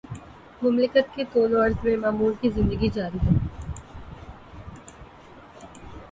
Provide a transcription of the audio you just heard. مملکت کے طول وعرض میں معمول کی زندگی جاری ہے۔